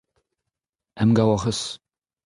Emgav hoc'h eus ?